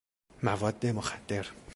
مواد مخدر